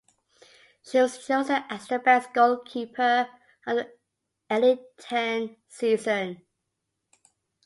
She was chosen as the best goalkeeper of the Elitettan season.